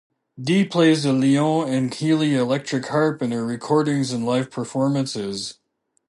Dee plays a Lyon and Healy electric harp in her recordings and live performances.